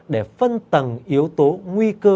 để phân tầng yếu tố nguy cơ